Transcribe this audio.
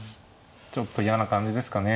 ちょっと嫌な感じですかね。